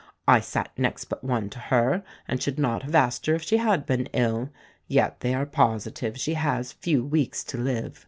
I sat next but one to her, and should not have asked her if she had been ill, yet they are positive she has few weeks to live.